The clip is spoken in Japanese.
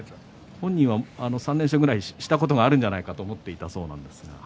本人は３連勝ぐらいしたことがあるんじゃないかと思っていたようです。